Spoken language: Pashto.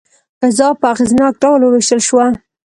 غذا په اغېزناک ډول وویشل شوه.